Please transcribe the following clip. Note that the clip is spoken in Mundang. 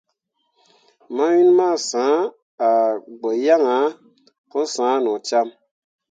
Mawin masǝ̃he a gbǝ yaŋ ahe pǝ sah no cam.